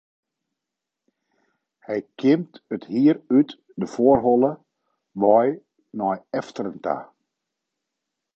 Hy kjimt it hier út de foarholle wei nei efteren ta.